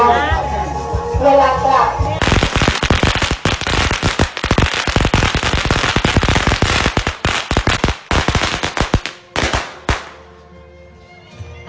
เวลากลับ